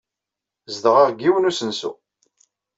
Zedɣeɣ deg yiwen n usensu.